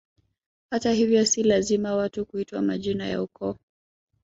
Hata hivyo si lazima watu kuitwa majina ya ukoo